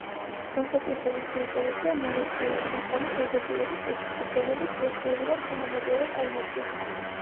განსაკუთრებით საინტერესოა მონაცემები თვალის აგებულების შესახებ, რომელიც უახლოვდება თანამედროვე წარმოდგენას.